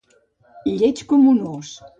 Lleig com un ós.